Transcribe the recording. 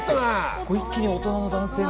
一気に大人の男性に。